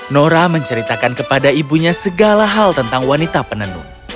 nora menceritakan kepada ibunya segala hal tentang wanita penenun